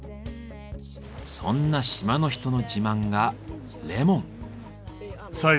そんな島の人の自慢がレモン。